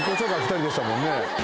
２人でしたもんね